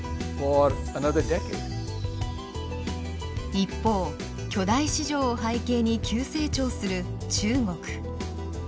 一方巨大市場を背景に急成長する中国。